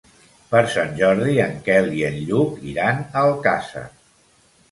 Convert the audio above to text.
Per Sant Jordi en Quel i en Lluc iran a Alcàsser.